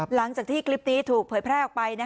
หลังจากที่คลิปนี้ถูกเผยแพร่ออกไป